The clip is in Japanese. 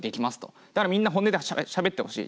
だからみんな本音でしゃべってほしい。